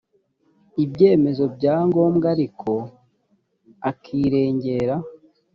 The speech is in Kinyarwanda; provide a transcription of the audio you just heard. ibyemezo bya ngombwa ariko akirengera